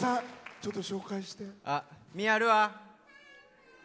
ちょっと紹介して。